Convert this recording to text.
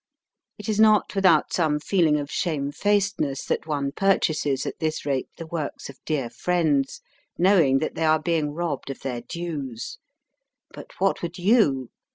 It is not without some feeling of shamefacedness that one purchases at this rate the works of dear friends, knowing that they are being robbed of their dues. But what would you